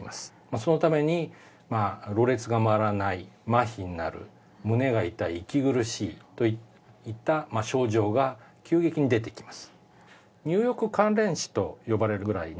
そのためにろれつが回らない麻痺になる胸が痛い息苦しいといった症状が急激に出てきます。